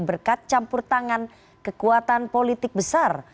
berkat campur tangan kekuatan politik besar